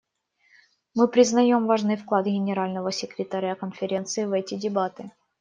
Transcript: Мы признаем важный вклад Генерального секретаря Конференции в эти дебаты.